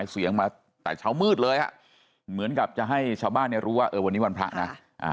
ก็ตอนนี้มันเวลาตีห้า๒๕บาทตีห้า๒๕บาทแล้วไอ้เราก็เลิกงานดีกว่าดีกว่า